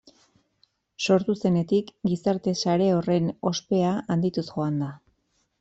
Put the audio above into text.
Sortu zenetik, gizarte sare horren ospea handituz joan da.